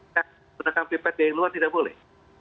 saya tidak akan pipet dari luar tidak boleh